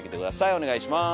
お願いします。